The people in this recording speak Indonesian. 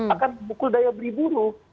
akan memukul daya beli buruh